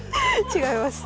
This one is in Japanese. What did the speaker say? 違います。